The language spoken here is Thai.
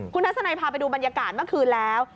คุณทัศนัยพาไปดูบรรยากาศเมื่อคืนแล้ว